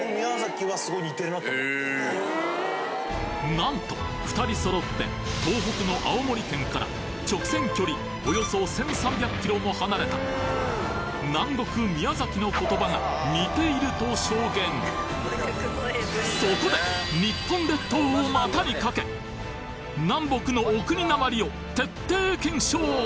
なんと２人揃って東北の青森県から直線距離およそ１，３００ｋｍも離れた南国宮崎の言葉が似ていると証言そこで日本列島を股にかけ本当か？